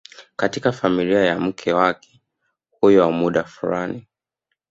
katika familia ya mke wake huyo kwa muda fulani